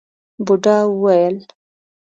بوډا وويل: